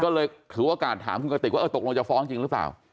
ก็เลยถือโอกาสถามคุณกติกว่าเออตกลงจะฟ้องจริงหรือเปล่า